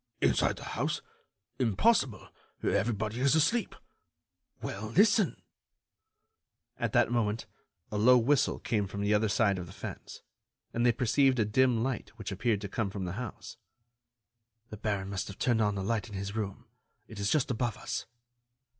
"Inside the house? Impossible! Everybody is asleep." "Well, listen——" At that moment a low whistle came from the other side of the fence, and they perceived a dim light which appeared to come from the house. "The baron must have turned on the light in his room. It is just above us."